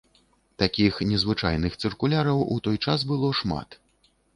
Такіх незвычайных цыркуляраў у той час было шмат.